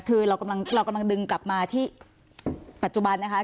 คือเรากำลังดึงกลับมาที่ปัจจุบันนะคะ